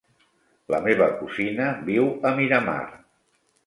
La meva cosina viu a Miramar.